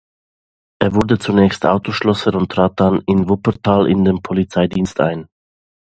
Er wurde zunächst Autoschlosser und trat dann in Wuppertal in den Polizeidienst ein.